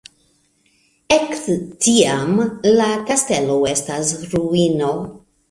Ekde tiam la kastelo estas ruino.